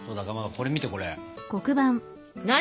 これ見てこれ。